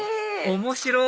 面白い！